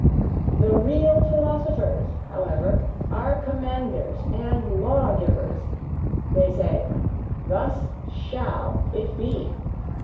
THE REAL PHILOSOPHERS, HOWEVER, ARE COMMANDERS AND LAW GIVERS; they say: "Thus SHALL it be!"